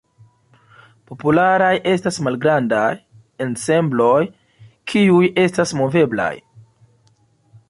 Popularaj estas malgrandaj ensembloj, kiuj estas moveblaj.